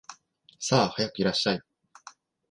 さあ、早くいらっしゃい